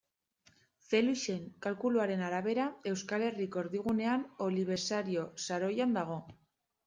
Felixen kalkuluen arabera, Euskal Herriko erdigunean Olibesario saroian dago.